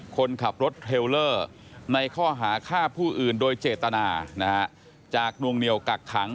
คนขับรถเทลเลอร์ในข้อหาฆ่าผู้อื่นโดยเจตนาจากนวงเหนียวกักขัง